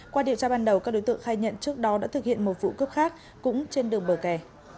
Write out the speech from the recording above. qua điều tra ban đầu các đối tượng khai nhận trước đó đã thực hiện một vụ cướp khác cũng trên đường bờ kè